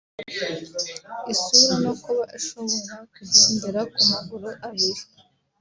isura no kuba ishobora kugendera ku maguru abiri